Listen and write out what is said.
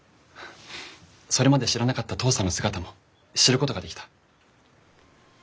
それまで知らなかった父さんの姿も知ることができた。